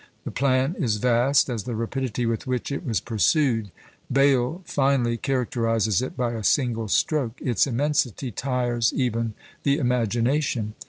The plan is vast, as the rapidity with which it was pursued: Bayle finely characterises it by a single stroke "Its immensity tires even the imagination."